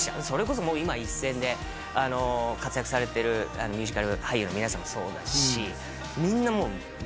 それこそもう今一線で活躍されてるミュージカル俳優の皆さんもそうだし